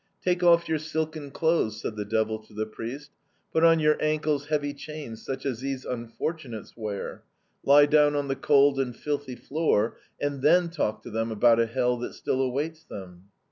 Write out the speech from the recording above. "'Take off your silken clothes,' said the devil to the priest, 'put on your ankles heavy chains such as these unfortunates wear; lie down on the cold and filthy floor and then talk to them about a hell that still awaits them!'